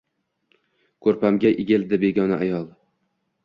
Koʻrpamga egildi begona ayol.